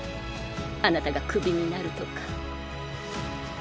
あなたがクビになるとか。